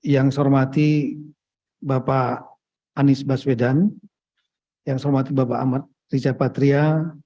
yang saya hormati bapak anies baswedan yang saya hormati bapak ahmad riza patria